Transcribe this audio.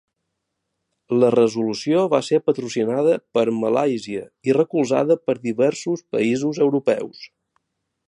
La resolució va ser patrocinada per Malàisia i recolzada per diversos països europeus.